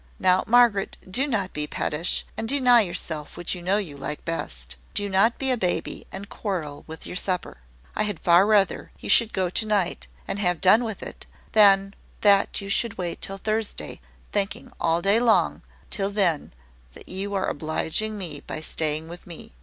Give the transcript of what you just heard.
Now, Margaret, do not be pettish, and deny yourself what you know you like best. Do not be a baby, and quarrel with your supper. I had far rather you should go to night, and have done with it, than that you should wait till Thursday, thinking all day long till then that you are obliging me by staying with me.